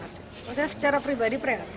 kalau saya secara pribadi prerogatif